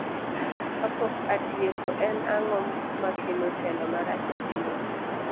Kapok atieko, en ang'o makelo telo marach e pinywa?